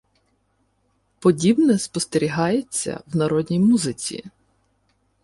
Подібне спостерігається в народній музиці.